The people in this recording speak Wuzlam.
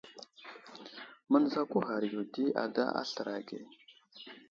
Mənzako ghar yo di ada aslər age.